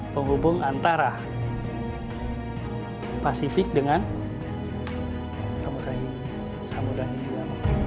penghubung antara pasifik dengan samudera india